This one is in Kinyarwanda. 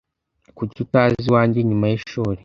Kuki utaza iwanjye nyuma yishuri?